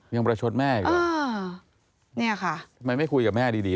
ยังประชดแม่อีกแล้วอ่าเนี้ยค่ะมันไม่คุยกับแม่ดีดี